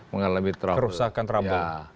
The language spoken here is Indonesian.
mengalami kerusakan terapu